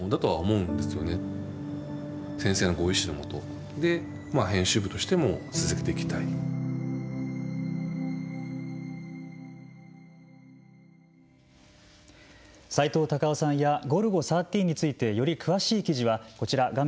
さいとう・たかをさんや「ゴルゴ１３」についてより詳しい記事はこちら画面